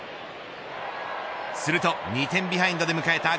すると２点ビハインドで迎えた